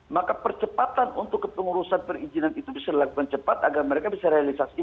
maka percepatan untuk pengurusan perizinan itu bisa dilakukan cepat agar mereka bisa realisas investasi